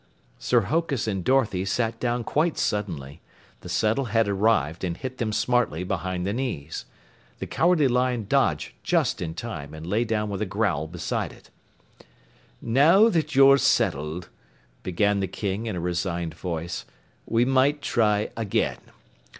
Sir Hokus and Dorothy sat down quite suddenly. The settle had arrived and hit them smartly behind the knees. The Cowardly Lion dodged just in time and lay down with a growl beside it. "Now that you're settled," began the King in a resigned voice, "we might try again.